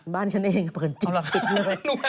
บ้านฉันเองเปิดจุลคิกเลย